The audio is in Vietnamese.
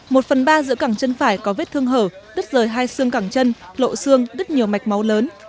một phần ba giữa cẳng chân phải có vết thương hở đứt rời hai xương cản chân lộ xương đứt nhiều mạch máu lớn